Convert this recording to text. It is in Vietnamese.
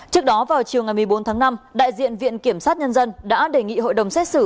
trước đó vào chiều ngày một mươi bốn tháng năm đại diện viện kiểm sát nhân dân đã đề nghị hội đồng xét xử